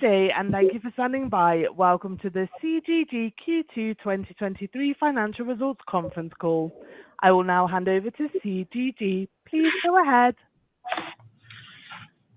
Good day, and thank you for standing by. Welcome to the CGG Q2 2023 financial results conference call. I will now hand over to CGG. Please go ahead.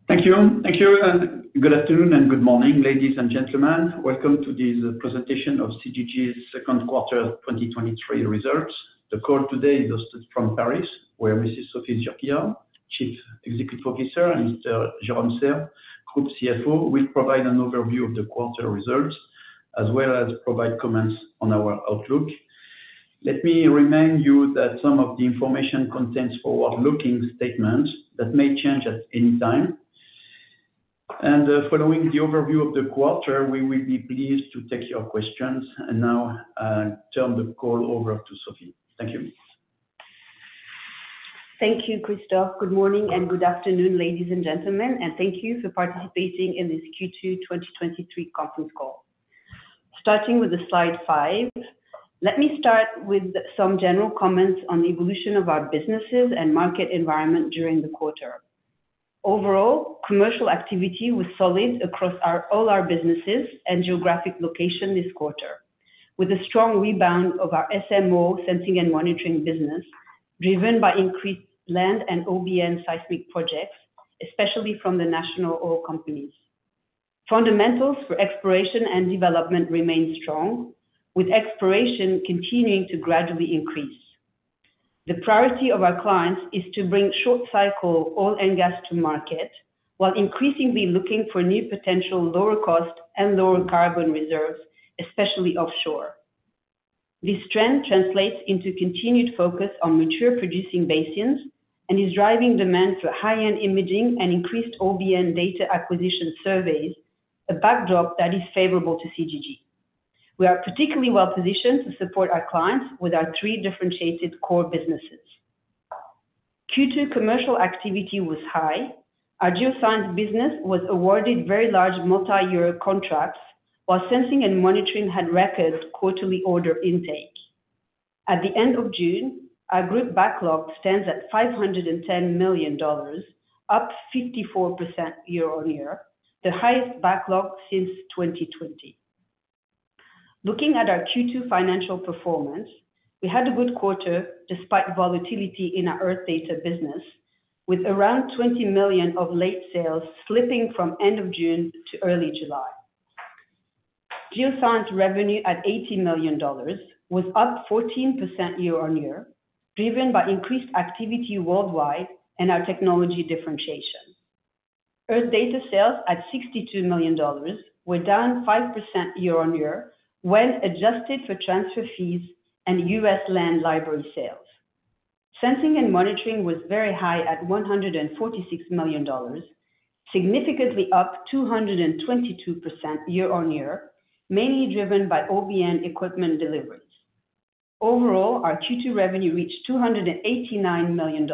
Thank you. Thank you, good afternoon and good morning, ladies and gentlemen. Welcome to this presentation of CGG's second quarter 2023 results. The call today is hosted from Paris, where Mrs. Sophie Zurquiyah, Chief Executive Officer, and Mr. Jérôme Serve, Group CFO, will provide an overview of the quarter results, as well as provide comments on our outlook. Let me remind you that some of the information contains forward-looking statements that may change at any time. Following the overview of the quarter, we will be pleased to take your questions. Now, turn the call over to Sophie. Thank you. Thank you, Christophe. Good morning and good afternoon, ladies and gentlemen, thank you for participating in this Q2 2023 conference call. Starting with the slide five, let me start with some general comments on the evolution of our businesses and market environment during the quarter. Overall, commercial activity was solid across all our businesses and geographic location this quarter, with a strong rebound of our SMO, Sensing and Monitoring business, driven by increased land and OBN seismic projects, especially from the national oil companies. Fundamentals for exploration and development remain strong, with exploration continuing to gradually increase. The priority of our clients is to bring short cycle oil and gas to market, while increasingly looking for new potential lower cost and lower carbon reserves, especially offshore. This trend translates into continued focus on mature producing basins and is driving demand for high-end imaging and increased OBN data acquisition surveys, a backdrop that is favorable to CGG. We are particularly well positioned to support our clients with our three differentiated core businesses. Q2 commercial activity was high. Our geoscience business was awarded very large multi-year contracts, while Sensing and Monitoring had record quarterly order intake. At the end of June, our group backlog stands at $510 million, up 54% year-over-year, the highest backlog since 2020. Looking at our Q2 financial performance, we had a good quarter despite volatility in our Earth Data business, with around $20 million of late sales slipping from end of June to early July. Geoscience revenue at $80 million was up 14% year-on-year, driven by increased activity worldwide and our technology differentiation. Earth Data sales at $62 million were down 5% year-on-year, when adjusted for transfer fees and U.S. Land Library sales. Sensing and Monitoring was very high at $146 million, significantly up 222% year-on-year, mainly driven by OBN equipment deliveries. Overall, our Q2 revenue reached $289 million,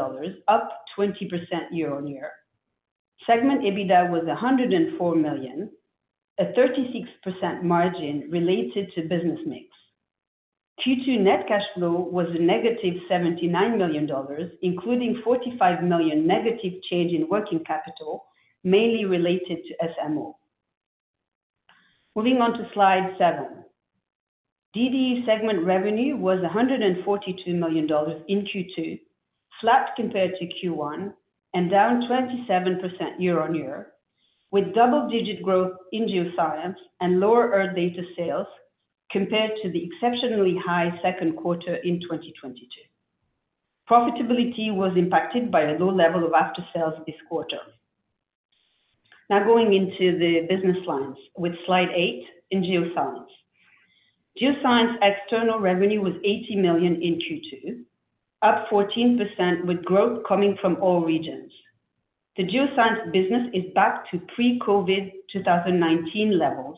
up 20% year-on-year. Segment EBITDA was $104 million, a 36% margin related to business mix. Q2 net cash flow was -$79 million, including $45 million negative change in working capital, mainly related to SMO. Moving on to slide seven. DDE segment revenue was $142 million in Q2, flat compared to Q1 and down 27% year-on-year, with double-digit growth in geoscience and lower Earth Data sales compared to the exceptionally high second quarter in 2022. Profitability was impacted by a low level of after-sales this quarter. Going into the business lines with slide eight in geoscience. Geoscience external revenue was $80 million in Q2, up 14%, with growth coming from all regions. The geoscience business is back to pre-COVID, 2019 levels,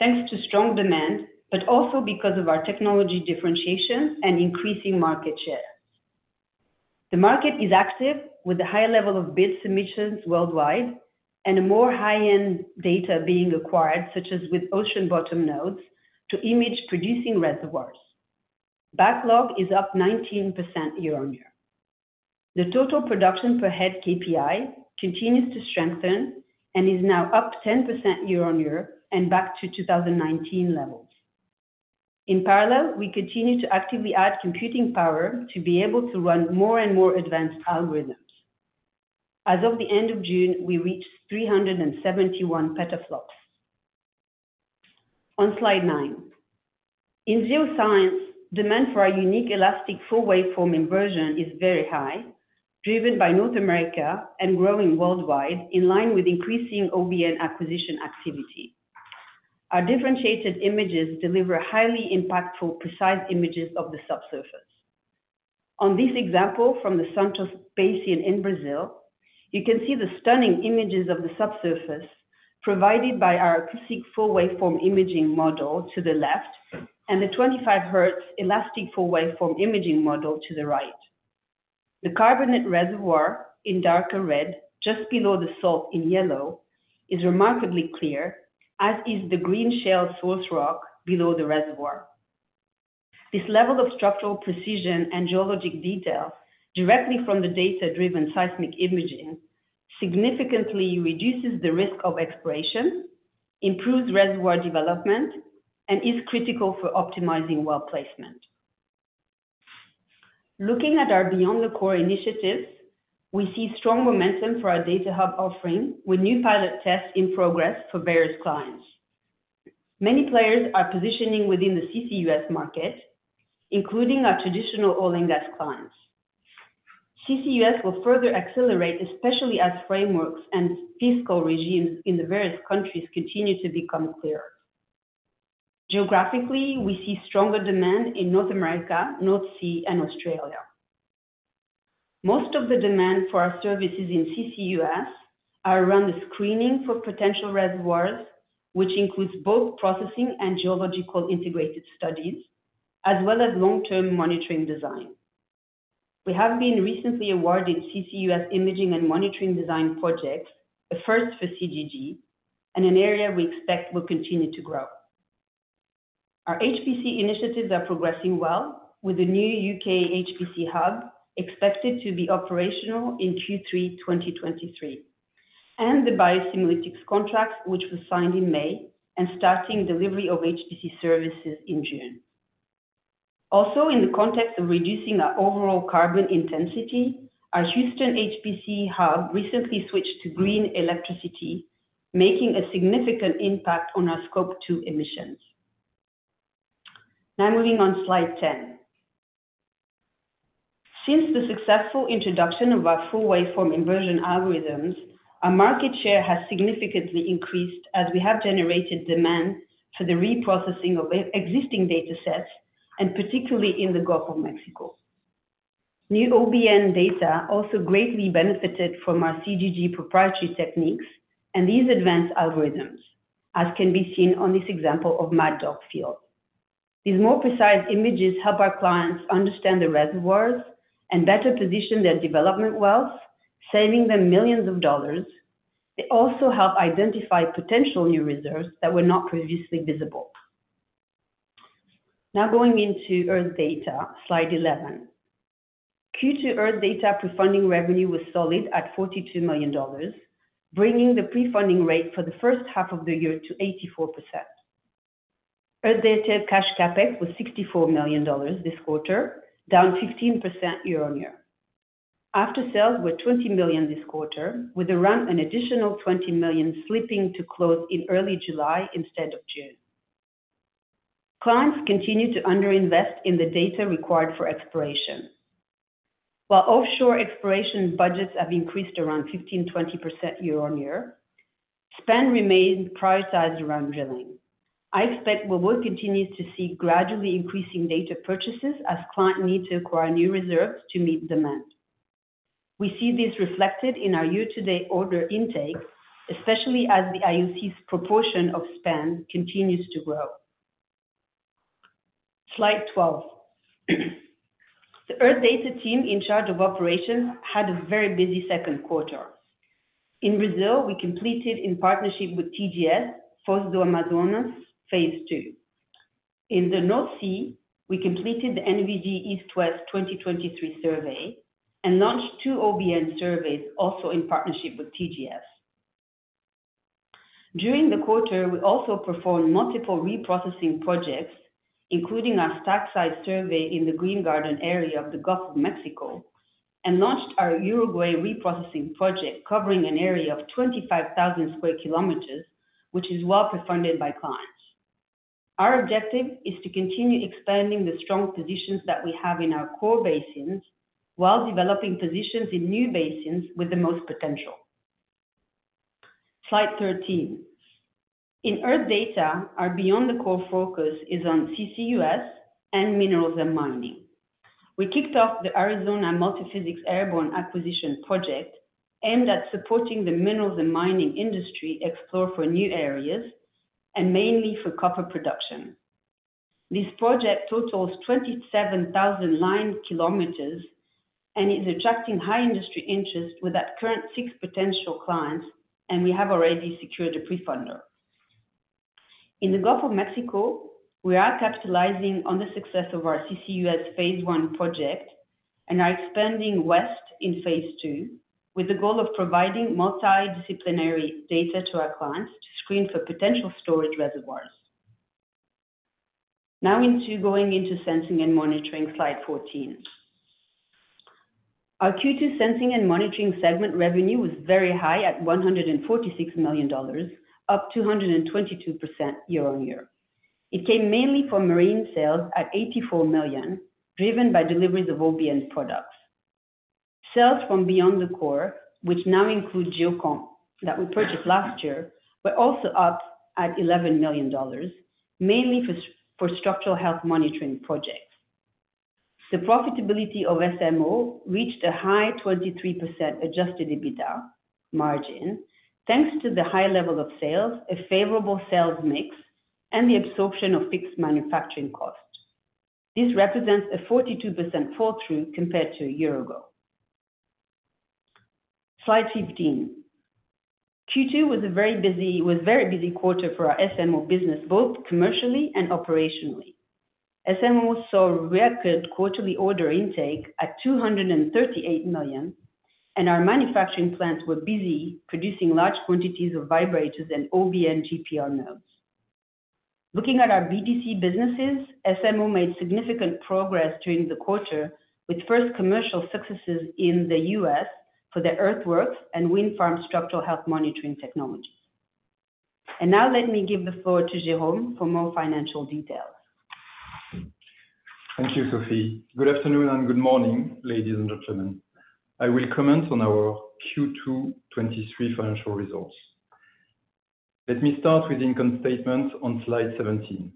thanks to strong demand, but also because of our technology differentiation and increasing market share. The market is active, with a high level of bid submissions worldwide and a more high-end data being acquired, such as with ocean bottom nodes, to image producing reservoirs. Backlog is up 19% year-on-year. The total production per head KPI continues to strengthen and is now up 10% year-over-year and back to 2019 levels. In parallel, we continue to actively add computing power to be able to run more and more advanced algorithms. As of the end of June, we reached 371 petaflops. On slide nine. In geoscience, demand for our unique elastic full waveform inversion is very high, driven by North America and growing worldwide in line with increasing OBN acquisition activity. Our differentiated images deliver highly impactful, precise images of the subsurface. On this example, from the Santos Basin in Brazil, you can see the stunning images of the subsurface provided by our acoustic full waveform imaging model to the left, and the 25 hertz elastic full waveform imaging model to the right. The carbonate reservoir in darker red, just below the salt in yellow, is remarkably clear, as is the green shale source rock below the reservoir. This level of structural precision and geologic detail directly from the data-driven seismic imaging, significantly reduces the risk of exploration, improves reservoir development, and is critical for optimizing well placement. Looking at our Beyond the Core initiatives, we see strong momentum for our Data Hub offering, with new pilot tests in progress for various clients. Many players are positioning within the CCUS market, including our traditional oil and gas clients. CCUS will further accelerate, especially as frameworks and fiscal regimes in the various countries continue to become clearer. Geographically, we see stronger demand in North America, North Sea, and Australia. Most of the demand for our services in CCUS are around the screening for potential reservoirs, which includes both processing and geological integrated studies, as well as long-term monitoring design. We have been recently awarded CCUS imaging and monitoring design projects, a first for CGG, and an area we expect will continue to grow. Our HPC initiatives are progressing well, with the new UK HPC hub expected to be operational in Q3 2023, and the BioSimulytics contract, which was signed in May and starting delivery of HPC services in June. In the context of reducing our overall carbon intensity, our Houston HPC hub recently switched to green electricity, making a significant impact on our Scope 2 emissions. Moving on slide 10. Since the successful introduction of our Full Waveform Inversion algorithms, our market share has significantly increased as we have generated demand for the reprocessing of existing datasets, and particularly in the Gulf of Mexico. New OBN data also greatly benefited from our CGG proprietary techniques and these advanced algorithms, as can be seen on this example of Mad Dog field. These more precise images help our clients understand the reservoirs and better position their development wells, saving them millions of dollars. They also help identify potential new reserves that were not previously visible. Going into Earth Data, slide 11. Q2 Earth Data prefunding revenue was solid at $42 million, bringing the prefunding rate for the first half of the year to 84%. Earth Data cash CapEx was $64 million this quarter, down 15% year-over-year. After sales were $20 million this quarter, with around an additional $20 million slipping to close in early July instead of June. Clients continue to underinvest in the data required for exploration. Offshore exploration budgets have increased around 15%-20% year-on-year, spend remains prioritized around drilling. I expect we will continue to see gradually increasing data purchases as clients need to acquire new reserves to meet demand. We see this reflected in our year-to-date order intake, especially as the IOC's proportion of spend continues to grow. Slide 12. The Earth Data team in charge of operations had a very busy second quarter. In Brazil, we completed in partnership with TGS, Foz do Amazonas phase II. In the North Sea, we completed the NVG East-West 2023 survey and launched two OBN surveys, also in partnership with TGS. During the quarter, we also performed multiple reprocessing projects, including our StagSeis survey in the Green Garden area of the Gulf of Mexico, and launched our Uruguay reprocessing project, covering an area of 25,000 square kilometers, which is well prefunded by clients. Our objective is to continue expanding the strong positions that we have in our core basins, while developing positions in new basins with the most potential. Slide 13. In Earth Data, our Beyond the Core focus is on CCUS and minerals and mining. We kicked off the Arizona Multi-Physics airborne acquisition project, aimed at supporting the minerals and mining industry, explore for new areas and mainly for copper production. This project totals 27,000 line kilometers and is attracting high industry interest with that current six potential clients, and we have already secured a prefunder. In the Gulf of Mexico, we are capitalizing on the success of our CCUS phase I project and are expanding west in phase II, with the goal of providing multidisciplinary data to our clients to screen for potential storage reservoirs. Now going into Sensing and Monitoring. Slide 14. Our Q2 Sensing and Monitoring segment revenue was very high at $146 million, up 222% year-over-year. It came mainly from marine sales at $84 million, driven by deliveries of OBN products. Sales from Beyond the Core, which now include Geocomp that we purchased last year, were also up at $11 million, mainly for structural health monitoring projects. The profitability of SMO reached a high 23% adjusted EBITDA margin, thanks to the high level of sales, a favorable sales mix, and the absorption of fixed manufacturing costs. This represents a 42% fall through compared to a year ago. Slide 15. Q2 was a very busy quarter for our SMO business, both commercially and operationally. SMO saw a record quarterly order intake at 238 million, and our manufacturing plants were busy producing large quantities of vibrators and OBN GPR nodes. Looking at our BtC businesses, SMO made significant progress during the quarter with first commercial successes in the U.S. for the earthwork and wind farm structural health monitoring technologies. Now let me give the floor to Jérôme for more financial details. Thank you, Sophie. Good afternoon and good morning, ladies and gentlemen. I will comment on our Q2 2023 financial results. Let me start with income statements on slide 17.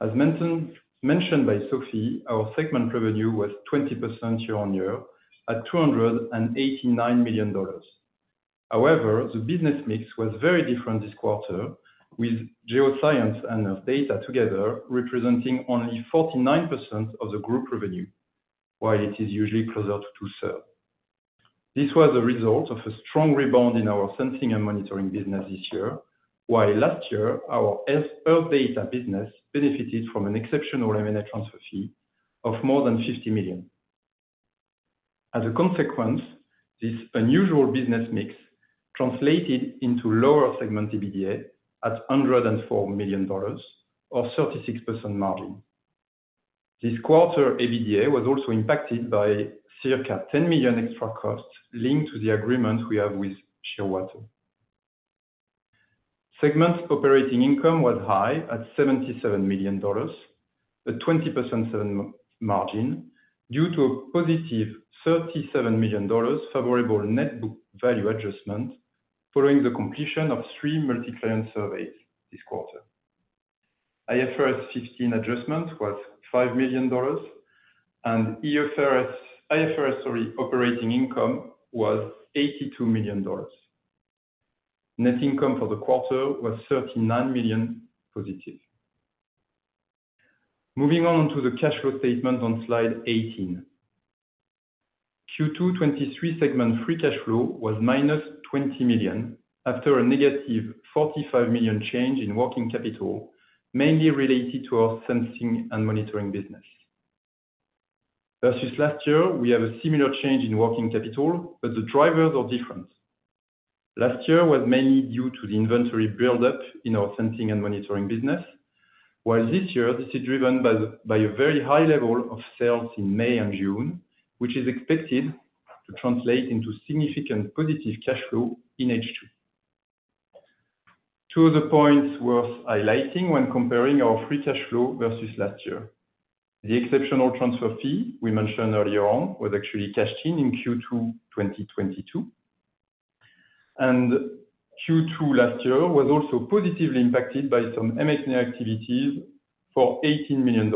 As mentioned by Sophie, our segment revenue was 20% year-on-year at $289 million. The business mix was very different this quarter, with geoscience and Earth Data together, representing only 49% of the group revenue, while it is usually closer to 30. This was a result of a strong rebound in our Sensing and Monitoring business this year, while last year, our Earth Data business benefited from an exceptional M&A transfer fee of more than $50 million. This unusual business mix translated into lower segment EBITDA at $104 million or 36% margin. This quarter, EBITDA was also impacted by circa $10 million extra costs linked to the agreement we have with Shearwater. Segment operating income was high at $77 million, a 20.7% margin, due to a +$37 million favorable net book value adjustment following the completion of three multi-client surveys this quarter. IFRS 16 adjustment was $5 million. IFRS, sorry, operating income was $82 million. Net income for the quarter was +$39 million. Moving on to the cash flow statement on slide 18. Q2 2023 segment free cash flow was -$20 million, after a -$45 million change in working capital, mainly related to our Sensing and Monitoring business. Versus last year, we have a similar change in working capital. The drivers are different. Last year was mainly due to the inventory buildup in our Sensing and Monitoring business, while this year this is driven by a very high level of sales in May and June, which is expected to translate into significant positive cash flow in H2. Two other points worth highlighting when comparing our free cash flow versus last year. The exceptional transfer fee we mentioned earlier on was actually cashed in, in Q2 2022. Q2 last year was also positively impacted by some M&A activities for $18 million.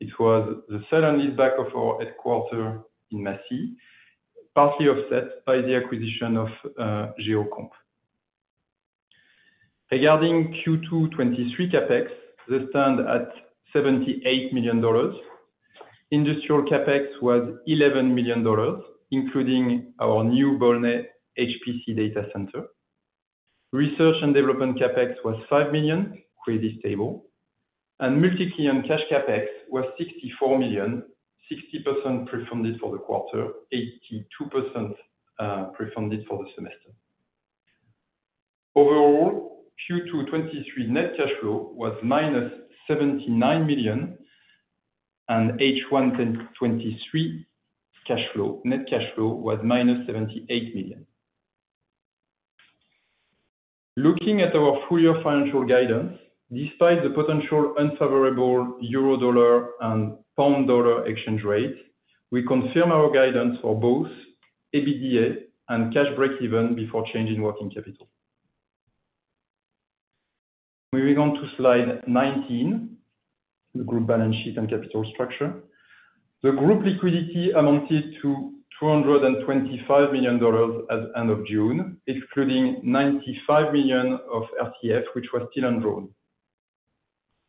It was the second leaseback of our headquarter in Massy, partly offset by the acquisition of Geocomp. Regarding Q2 2023 CapEx, they stand at $78 million. Industrial CapEx was $11 million, including our new Blaenau HPC data center. Research and development CapEx was $5 million, pretty stable. Multi-client cash CapEx was $64 million, 60% prefunded for the quarter, 82% prefunded for the semester. Overall, Q2 2023 net cash flow was minus $79 million. H1 2023 cash flow, net cash flow was minus $78 million. Looking at our full-year financial guidance, despite the potential unfavorable euro-dollar and pound-dollar exchange rate, we confirm our guidance for both EBITDA and cash break-even before change in working capital. Moving on to slide 19, the group balance sheet and capital structure. The group liquidity amounted to $225 million at the end of June, excluding $95 million of RCF, which was still undrawn.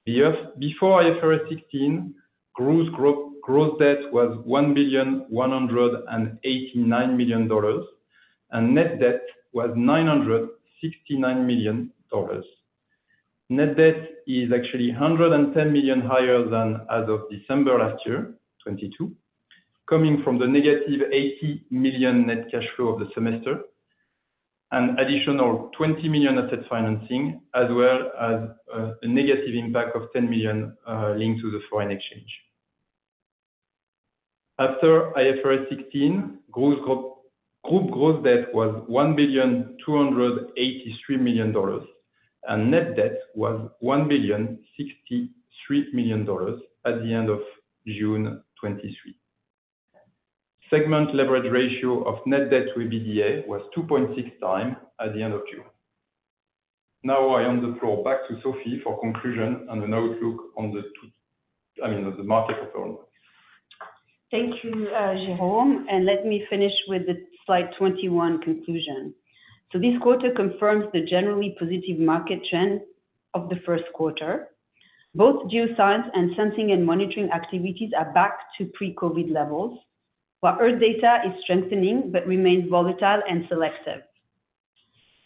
Before IFRS 16, gross debt was $1,189 million. Net debt was $969 million. Net debt is actually $110 million higher than as of December 2022, coming from the -$80 million net cash flow of the semester, an additional $20 million asset financing, as well as a negative impact of $10 million linked to the foreign exchange. After IFRS 16, group gross debt was $1,283 million, and net debt was $1,063 million at the end of June 2023. Segment leverage ratio of net debt to EBITDA was 2.6x at the end of June. I hand the floor back to Sophie for conclusion and an outlook I mean, on the market performance. Thank you, Jérôme, let me finish with the slide 21 conclusion. This quarter confirms the generally positive market trend of the first quarter. Both geoscience and Sensing and Monitoring activities are back to pre-COVID levels, while Earth Data is strengthening but remains volatile and selective.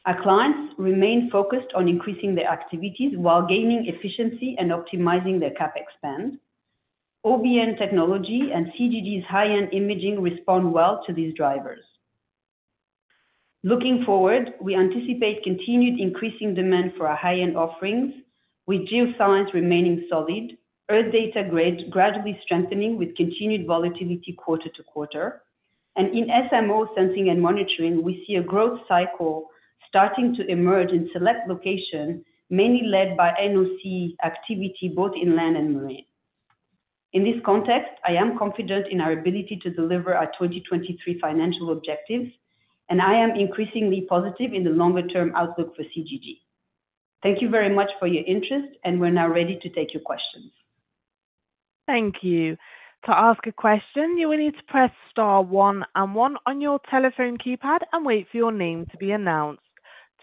Our clients remain focused on increasing their activities while gaining efficiency and optimizing their CapEx spend. OBN technology and CGG's high-end imaging respond well to these drivers. Looking forward, we anticipate continued increasing demand for our high-end offerings, with geoscience remaining solid, Earth Data gradually strengthening with continued volatility quarter to quarter, and in SMO Sensing and Monitoring, we see a growth cycle starting to emerge in select locations, mainly led by NOC activity, both in land and marine. In this context, I am confident in our ability to deliver our 2023 financial objectives, and I am increasingly positive in the longer term outlook for CGG. Thank you very much for your interest. We're now ready to take your questions. Thank you. To ask a question, you will need to press star one and one on your telephone keypad and wait for your name to be announced.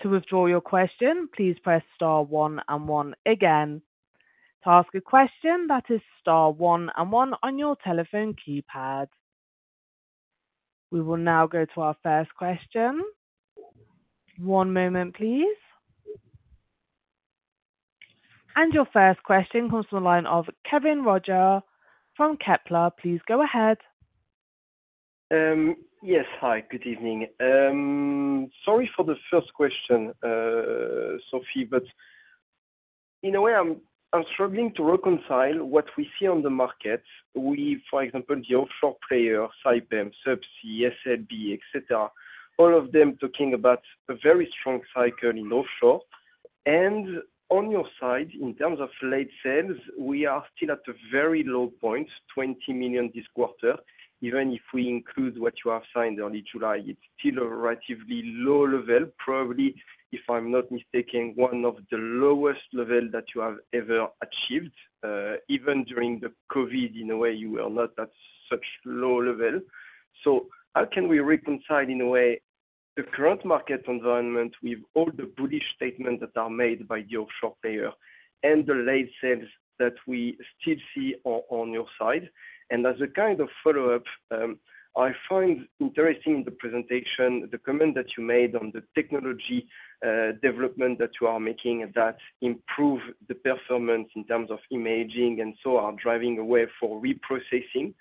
To withdraw your question, please press star one and one again. To ask a question, that is star one and one on your telephone keypad. We will now go to our first question. One moment, please. Your first question comes from the line of Kevin Roger from Kepler. Please go ahead. Yes. Hi, good evening. Sorry for the first question, Sophie, in a way, I'm struggling to reconcile what we see on the market with, for example, the offshore player, Saipem, Subsea 7, SLB, et cetera, all of them talking about a very strong cycle in offshore. On your side, in terms of late sales, we are still at a very low point, 20 million this quarter. Even if we include what you have signed only July, it's still a relatively low level, probably, if I'm not mistaken, one of the lowest level that you have ever achieved, even during the COVID, in a way, you were not at such low level. How can we reconcile in a way, the current market environment with all the bullish statements that are made by the offshore player and the late sales that we still see on your side? As a kind of follow-up, I find interesting in the presentation, the comment that you made on the technology development that you are making that improve the performance in terms of imaging and so are driving a way for reprocessing.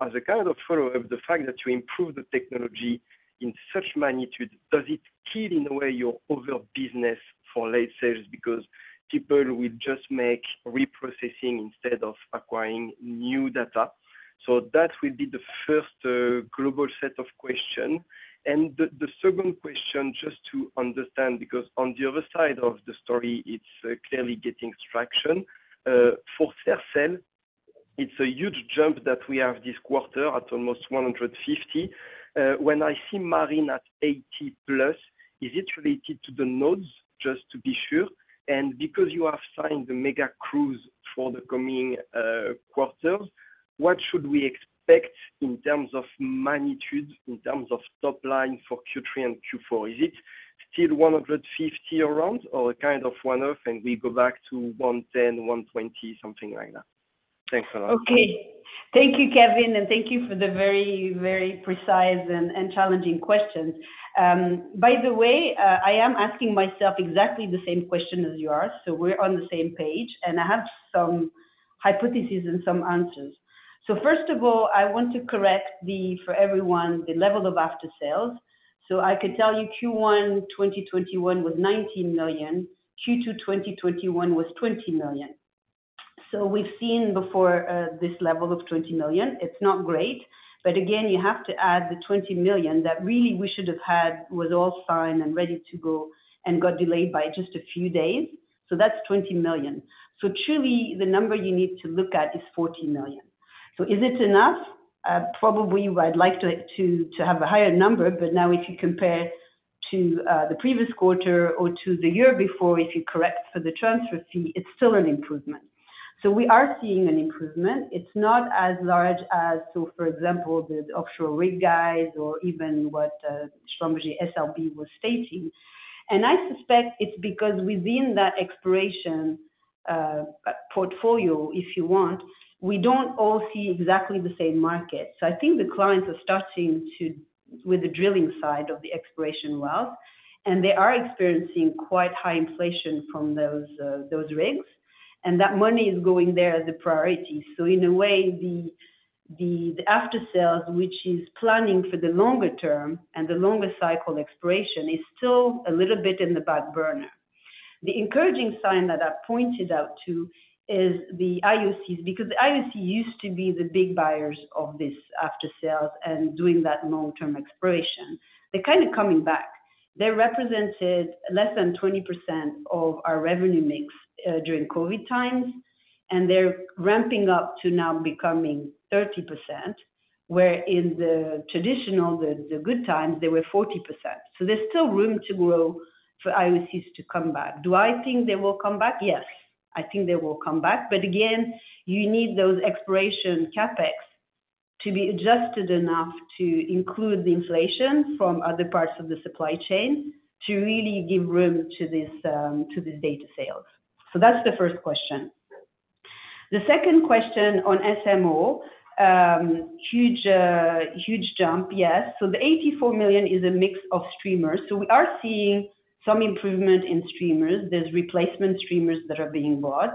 As a kind of follow-up, the fact that you improve the technology in such magnitude, does it kill in a way your other business for late sales? Because people will just make reprocessing instead of acquiring new data. That will be the first global set of question. The second question, just to understand, because on the other side of the story, it's clearly getting traction. For Sercel, it's a huge jump that we have this quarter at almost 150 million. When I see marine at 80+ million, is it related to the nodes, just to be sure? Because you have signed the mega crew for the coming quarters, what should we expect in terms of magnitude, in terms of top line for Q3 and Q4? Is it still 150 million around or kind of one-off, and we go back to 110 million-120 million, something like that? Thanks a lot. Thank you, Kevin, and thank you for the very, very precise and challenging questions. By the way, I am asking myself exactly the same question as you are, so we're on the same page, and I have some hypotheses and some answers. First of all, I want to correct, for everyone, the level of after sales. I could tell you Q1 2021 was $19 million. Q2 2021 was $20 million. We've seen before this level of $20 million. It's not great, but again, you have to add the $20 million that really we should have had, was all signed and ready to go and got delayed by just a few days. That's $20 million. Truly, the number you need to look at is $40 million. Is it enough? Probably, I'd like to have a higher number, now if you compare to the previous quarter or to the year before, if you correct for the transfer fee, it's still an improvement. We are seeing an improvement. It's not as large as, for example, the offshore rig guys or even what Schlumberger, SLB, was stating. I suspect it's because within that exploration portfolio, if you want, we don't all see exactly the same market. I think the clients are starting to, with the drilling side of the exploration well, and they are experiencing quite high inflation from those rigs, and that money is going there as a priority. In a way, the after-sales, which is planning for the longer term and the longer cycle exploration, is still a little bit in the back burner. The encouraging sign that I pointed out to is the IOC, because the IOC used to be the big buyers of this after sales and doing that long-term exploration. They're kind of coming back. They represented less than 20% of our revenue mix during COVID times, and they're ramping up to now becoming 30%, where in the traditional, the good times, they were 40%. There's still room to grow for IOCs to come back. Do I think they will come back? Yes, I think they will come back. Again, you need those exploration CapEx to be adjusted enough to include the inflation from other parts of the supply chain to really give room to this data sales. That's the first question. The second question on SMO, huge, huge jump. Yes. The 84 million is a mix of streamers. We are seeing some improvement in streamers. There's replacement streamers that are being bought,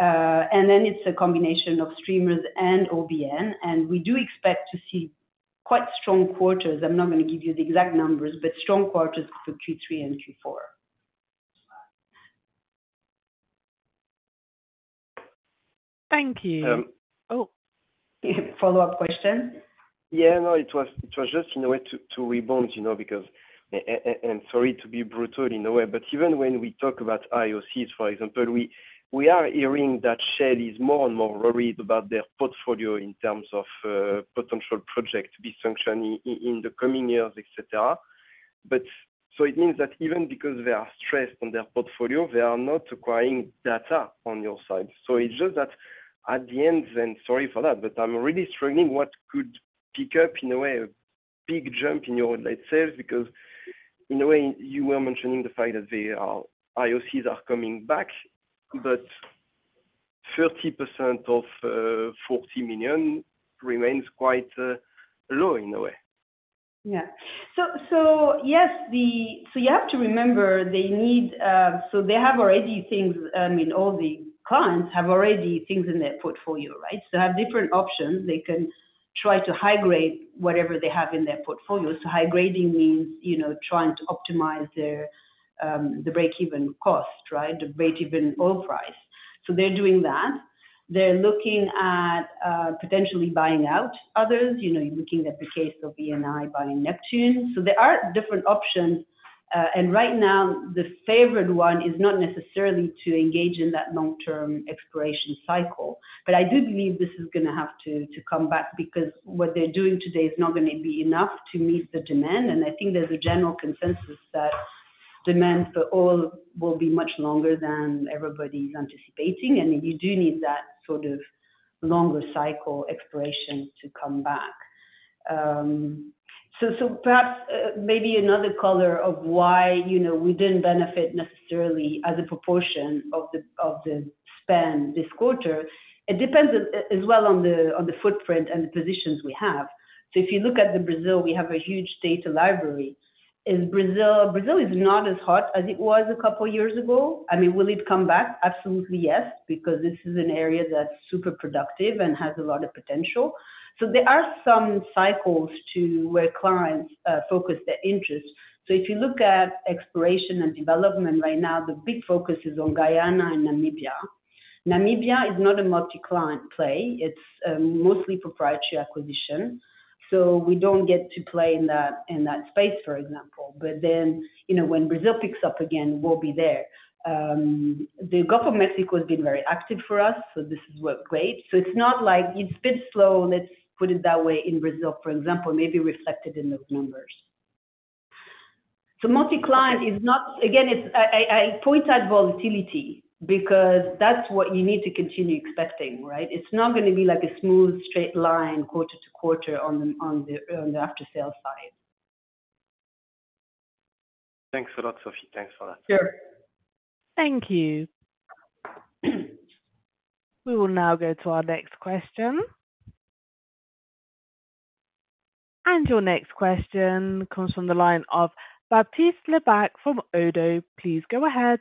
and then it's a combination of streamers and OBN, and we do expect to see quite strong quarters. I'm not going to give you the exact numbers, but strong quarters for Q3 and Q4. Thank you. Um- Oh. Follow-up question? Yeah. No, it was, it was just in a way to, to rebound, you know, because, and sorry to be brutal in a way, but even when we talk about IOCs, for example, we, we are hearing that Shell is more and more worried about their portfolio in terms of potential project dysfunction in the coming years, et cetera. It means that even because they are stressed on their portfolio, they are not acquiring data on your side. It's just that at the end, then, sorry for that, but I'm really struggling what could pick up, in a way, a big jump in your late sales, because in a way, you were mentioning the fact that they are, IOCs are coming back, but 30% of 40 million remains quite low in a way. Yes, you have to remember, they need. They have already things in all the clients, have already things in their portfolio, right? They have different options. They can try to high-grade whatever they have in their portfolio. High-grading means, you know, trying to optimize their the breakeven cost, right, the breakeven oil price. They're doing that. They're looking at potentially buying out others, you know, you're looking at the case of Eni buying Neptune. There are different options, and right now, the favorite one is not necessarily to engage in that long-term exploration cycle. I do believe this is gonna have to, to come back because what they're doing today is not gonna be enough to meet the demand. I think there's a general consensus that demand for oil will be much longer than everybody's anticipating, and you do need that sort of longer cycle exploration to come back. Perhaps, maybe another color of why, you know, we didn't benefit necessarily as a proportion of the, of the spend this quarter. It depends as well on the, on the footprint and the positions we have. If you look at the Brazil, we have a huge data library. In Brazil, Brazil is not as hot as it was a couple of years ago. I mean, will it come back? Absolutely, yes, because this is an area that's super productive and has a lot of potential. There are some cycles to where clients focus their interest. If you look at exploration and development right now, the big focus is on Guyana and Namibia. Namibia is not a multi-client play. It's mostly proprietary acquisition, so we don't get to play in that space, for example. You know, when Brazil picks up again, we'll be there. The Gulf of Mexico has been very active for us, so this is work great. It's not like it's been slow, let's put it that way, in Brazil, for example, maybe reflected in those numbers. multi-client is not, again, I point out volatility because that's what you need to continue expecting, right? It's not gonna be like a smooth, straight line quarter to quarter on the after sale side. Thanks a lot, Sophie. Thanks a lot. Sure. Thank you. We will now go to our next question. Your next question comes from the line of Baptiste Lebacq from Oddo BHF. Please go ahead.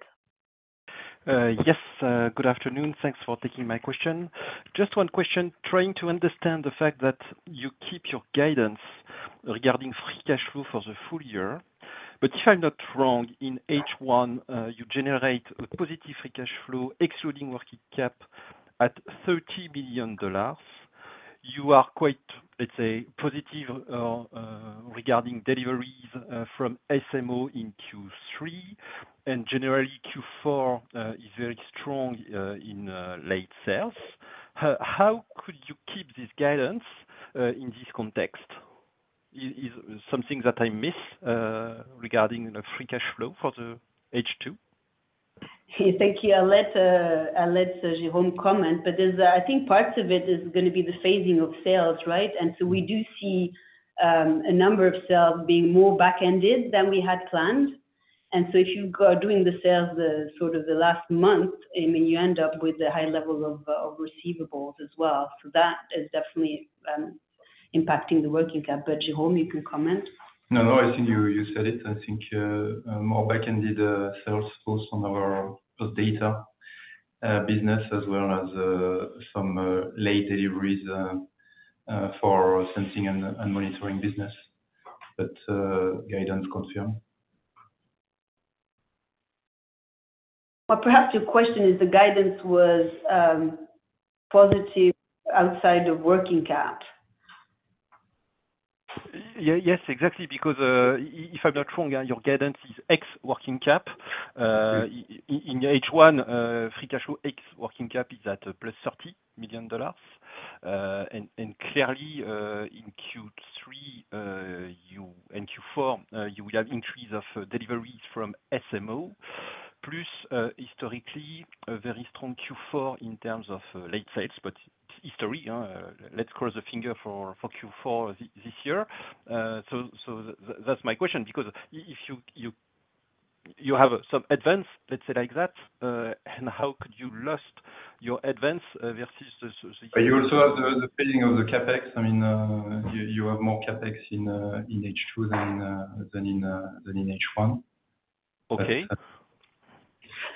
Yes, good afternoon. Thanks for taking my question. Just one question, trying to understand the fact that you keep your guidance regarding free cash flow for the full year. If I'm not wrong, in H1, you generate a positive free cash flow, excluding working cap at $30 million. You are quite, let's say, positive regarding deliveries from SMO in Q3, and generally, Q4 is very strong in late sales. How could you keep this guidance in this context? Is something that I miss regarding the free cash flow for the H2? Thank you. I'll let Jérôme comment, but there's, I think parts of it is gonna be the phasing of sales, right? We do see a number of sales being more back-ended than we had planned. If you go doing the sales, sort of the last month, I mean, you end up with a high level of receivables as well. That is definitely impacting the working cap. Jérôme, you can comment. No, I think you said it. I think, more back-ended sales force on our post data business, as well as some late deliveries for Sensing and Monitoring business. Guidance concerned. Well, perhaps your question is the guidance was positive outside of working cap. Yes, exactly, because if I'm not wrong, your guidance is ex working cap. In H1, free cash flow, ex working cap is at +$30 million. Clearly, in Q4, you will have increase of deliveries from SMO, plus historically, a very strong Q4 in terms of late sales, but history, let's cross the finger for Q4 this year. That's my question, because if you have some advance, let's say like that, and how could you lost your advance versus the- You also have the paying of the CapEx. I mean, you have more CapEx in H2 than in H1.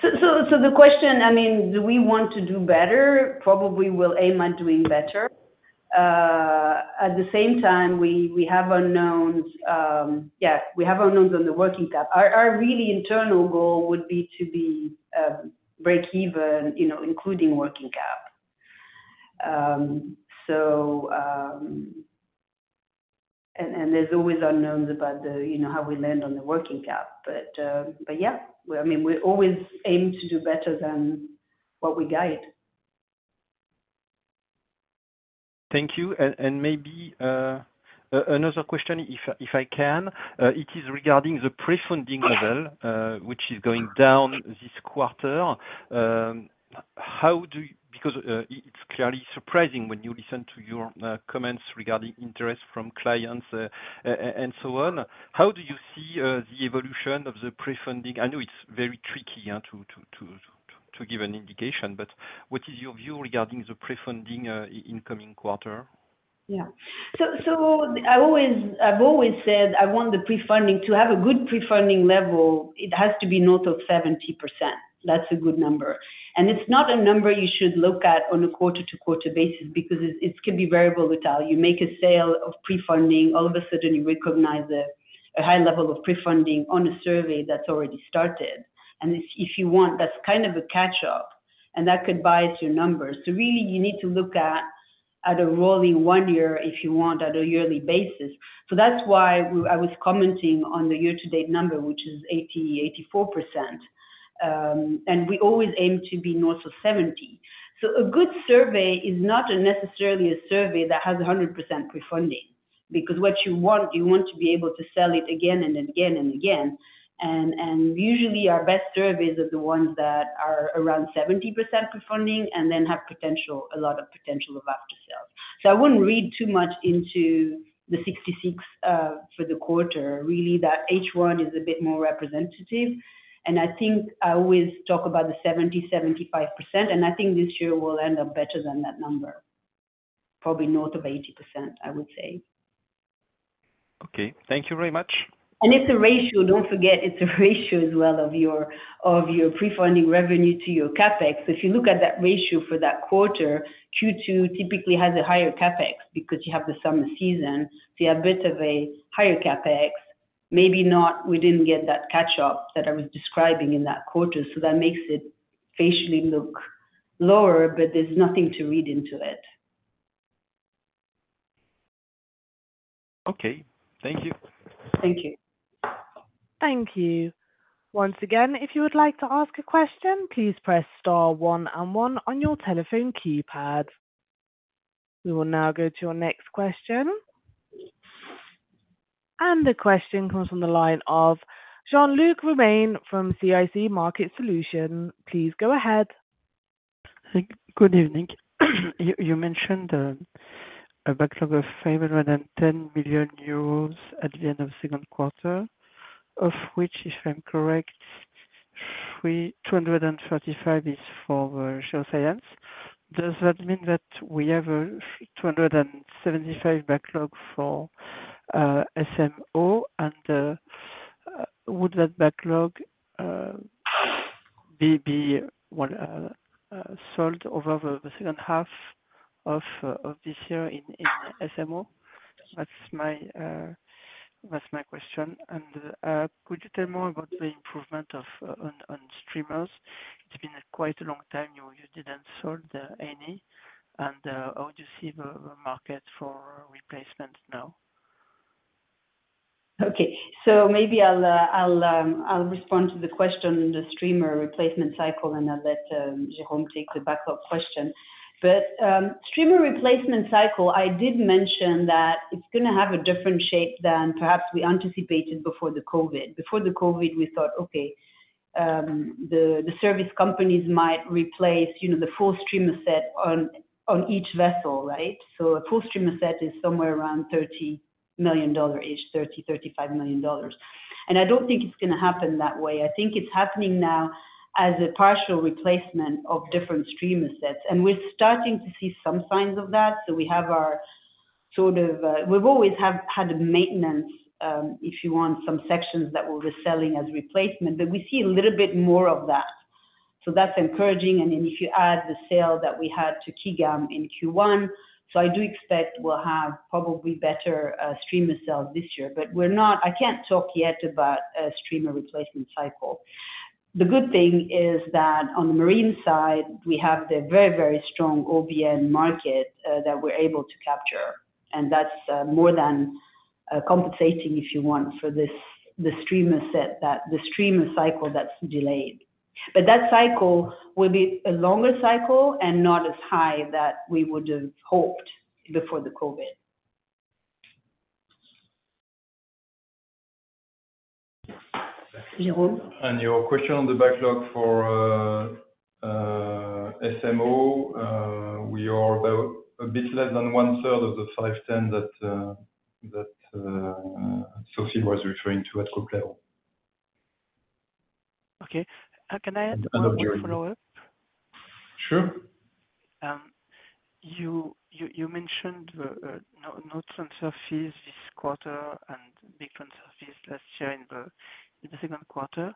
Okay. The question, I mean, do we want to do better? Probably we'll aim at doing better. At the same time, we have unknowns. Yeah, we have unknowns on the working cap. Our really internal goal would be to be breakeven, you know, including working cap. And there's always unknowns about the, you know, how we land on the working cap. Yeah, well, I mean, we always aim to do better than what we guide. Thank you. Maybe another question, if I can, it is regarding the pre-funding level, which is going down this quarter. It's clearly surprising when you listen to your comments regarding interest from clients, and so on. How do you see the evolution of the pre-funding? I know it's very tricky to give an indication, but what is your view regarding the pre-funding in coming quarter? I've always said, To have a good pre-funding level, it has to be north of 70%. That's a good number. It's not a number you should look at on a quarter-to-quarter basis, because it could be very volatile. You make a sale of pre-funding, all of a sudden you recognize a high level of pre-funding on a survey that's already started. If you want, that's kind of a catch-up, and that could bias your numbers. Really, you need to look at a rolling 1 year, if you want, at a yearly basis. That's why I was commenting on the year-to-date number, which is 84%. We always aim to be north of 70. A good survey is not a necessarily a survey that has 100% pre-funding, because what you want, you want to be able to sell it again and again and again. Usually our best surveys are the ones that are around 70% pre-funding and then have potential, a lot of potential of after sale. I wouldn't read too much into the 66 for the quarter. Really, that H1 is a bit more representative, and I think I always talk about the 70%-75%, and I think this year will end up better than that number. Probably north of 80%, I would say. Okay. Thank you very much. It's a ratio. Don't forget, it's a ratio as well of your, of your pre-funding revenue to your CapEx. If you look at that ratio for that quarter, Q2 typically has a higher CapEx because you have the summer season, so you have a bit of a higher CapEx. Maybe not, we didn't get that catch-up that I was describing in that quarter, so that makes it facially look lower, but there's nothing to read into it. Okay. Thank you. Thank you. Thank you. Once again, if you would like to ask a question, please press star one and one on your telephone keypad. We will now go to our next question. The question comes from the line of Jean-Luc Romain from CIC Market Solutions. Please go ahead. Good evening. You mentioned a backlog of 510 million euros at the end of 2Q, of which, if I'm correct, 235 is for Shell Science. Does that mean that we have a 275 backlog for SMO? Would that backlog be, what, sold over the second half of this year in SMO? That's my question. Could you tell more about the improvement of, on, on streamers? It's been quite a long time you didn't sold any. How would you see the market for replacement now? Okay. Maybe I'll respond to the question on the streamer replacement cycle, and I'll let Jérôme take the backup question. Streamer replacement cycle, I did mention that it's gonna have a different shape than perhaps we anticipated before the COVID. Before the COVID, we thought, okay, the service companies might replace, you know, the full streamer set on each vessel, right? A full streamer set is somewhere around $30 million each, $30 million-$35 million. I don't think it's gonna happen that way. I think it's happening now as a partial replacement of different streamer sets, and we're starting to see some signs of that. We have our sort of... We've always had a maintenance, if you want, some sections that we're reselling as replacement, We see a little bit more of that. That's encouraging. If you add the sale that we had to KIGAM in Q1, I do expect we'll have probably better streamer sales this year. We're not. I can't talk yet about a streamer replacement cycle. The good thing is that on the marine side, we have the very, very strong OBN market that we're able to capture, and that's more than compensating, if you want, for this, the streamer set, the streamer cycle that's delayed. That cycle will be a longer cycle and not as high that we would have hoped before the COVID. Jérôme? Your question on the backlog for SMO, we are about a bit less than one third of the 510 that Sophie was referring to at group level. Okay. Can I add one follow-up? Sure. You mentioned no transfer fees this quarter and big transfer fees last year in the second quarter.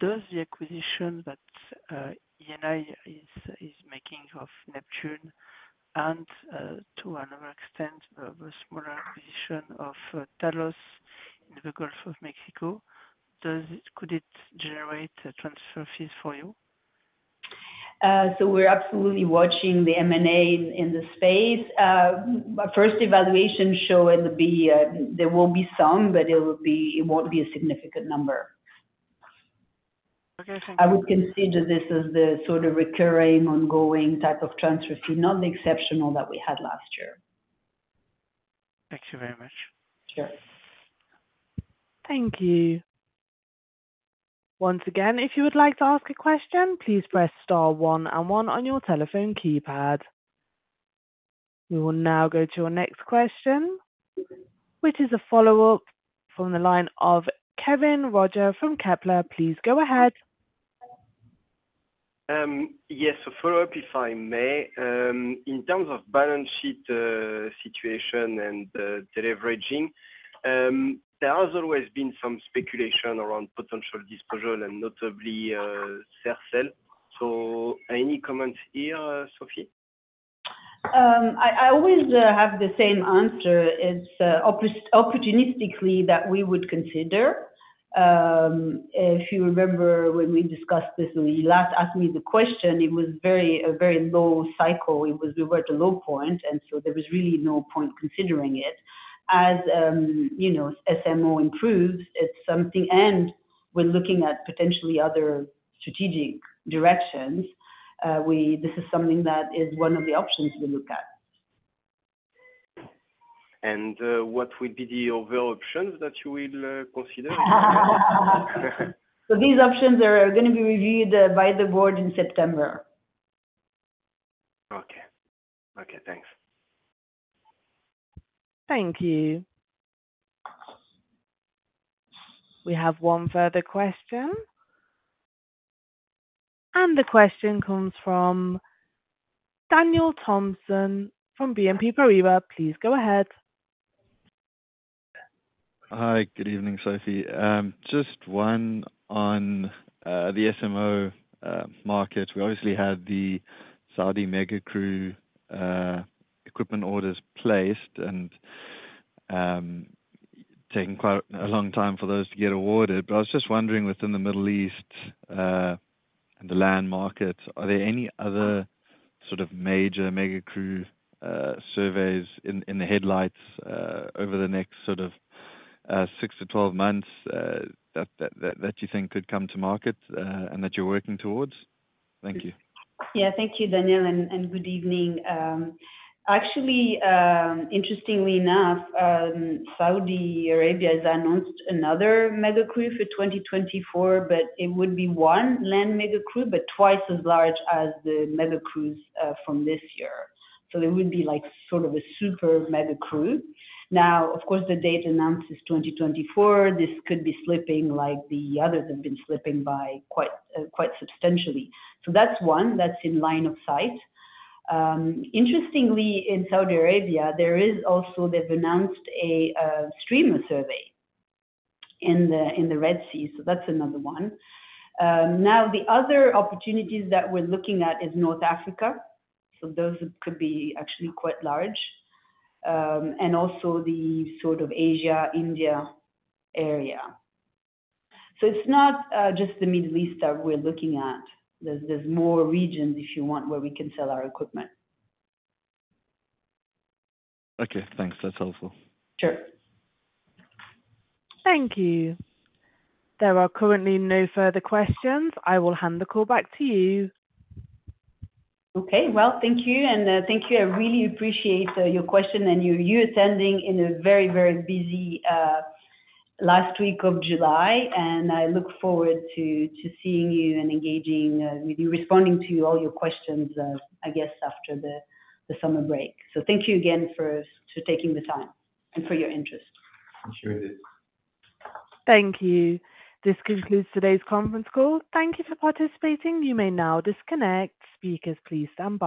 Does the acquisition that Eni is making of Neptune and to another extent the smaller acquisition of Talos in the Gulf of Mexico, could it generate transfer fees for you? We're absolutely watching the M&A in the space. My first evaluation showing be, there will be some, but It won't be a significant number. Okay. I would consider this as the sort of recurring, ongoing type of transfer fee, not the exceptional that we had last year. Thank you very much. Sure. Thank you. Once again, if you would like to ask a question, please press star one and one on your telephone keypad. We will now go to our next question, which is a follow-up from the line of Kevin Roger from Kepler. Please go ahead. Yes, a follow-up, if I may. In terms of balance sheet, situation and deleveraging, there has always been some speculation around potential disposal and notably, Sercel. Any comments here, Sophie? I always have the same answer. It's opportunistically that we would consider. If you remember when we discussed this, when you last asked me the question, it was a very low cycle. It was, we were at a low point. There was really no point considering it. As, you know, SMO improves, it's something, and we're looking at potentially other strategic directions, this is something that is one of the options we look at. What would be the other options that you will consider? These options are going to be reviewed by the board in September. Okay. Okay, thanks. Thank you. We have one further question, and the question comes from Daniel Thompson from BNP Paribas. Please go ahead. Hi, good evening, Sophie. Just one on the SMO market. We obviously have the Saudi mega crew equipment orders placed and taking quite a long time for those to get awarded. I was just wondering, within the Middle East and the land market, are there any other major mega crew surveys in the headlights over the next 6-12 months that you think could come to market and that you're working towards? Thank you. Yeah, thank you, Daniel, and good evening. Actually, interestingly enough, Saudi Arabia has announced another mega crew for 2024, it would be one land mega crew, but twice as large as the mega crews from this year. It would be like sort of a super mega crew. Of course, the date announced is 2024. This could be slipping like the others have been slipping by quite substantially. That's one that's in line of sight. Interestingly, in Saudi Arabia, there is also, they've announced a streamer survey in the Red Sea, that's another one. The other opportunities that we're looking at is North Africa. Those could be actually quite large. Also the sort of Asia, India area. It's not just the Middle East that we're looking at. There's more regions, if you want, where we can sell our equipment. Okay, thanks. That's helpful. Sure. Thank you. There are currently no further questions. I will hand the call back to you. Okay, well, thank you, and thank you. I really appreciate your question and you attending in a very busy last week of July, and I look forward to seeing you and engaging with you, responding to all your questions, I guess after the summer break. Thank you again for taking the time and for your interest. Appreciate it. Thank you. This concludes today's conference call. Thank you for participating. You may now disconnect. Speakers, please stand by.